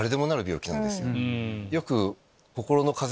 よく。